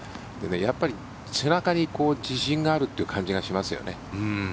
やっぱり背中に自信がある感じがしますよね。